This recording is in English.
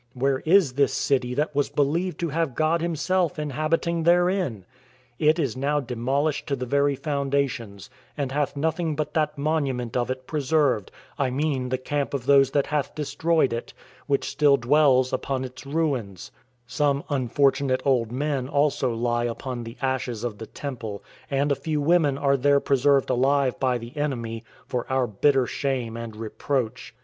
Where is this city that was believed to have God himself inhabiting therein? It is now demolished to the very foundations, and hath nothing but that monument of it preserved, I mean the camp of those that hath destroyed it, which still dwells upon its ruins; some unfortunate old men also lie upon the ashes of the temple, and a few women are there preserved alive by the enemy, for our bitter shame and reproach.